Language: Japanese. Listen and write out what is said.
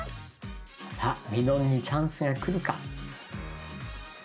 さあみのんにチャンスが来るか。